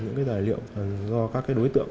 những tài liệu do các đối tượng